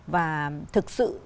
và thực sự